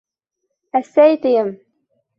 Әсәй, тием!